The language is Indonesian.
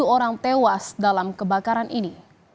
tujuh orang tewas dalam kebakaran ini